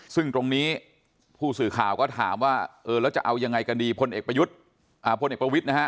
ซึ่งตรงนี้ผู้สื่อข่าวก็ถามว่าเออแล้วจะเอายังไงกันดีพลเอกประยุทธ์พลเอกประวิทย์นะฮะ